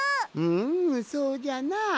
んそうじゃなあ。